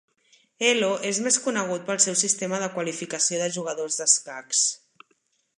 Elo és més conegut pel seu sistema de qualificació de jugadors d'escacs.